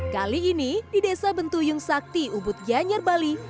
kali ini di desa bentuyung sakti ubud gianyar bali